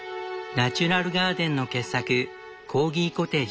ナチュラルガーデンの傑作コーギコテージ。